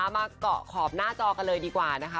มาเกาะขอบหน้าจอกันเลยดีกว่านะคะ